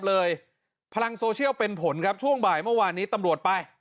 พลังโซเชียลเป็นผลครับช่วงบ่ายเมื่อวานนี้ตำรวจไป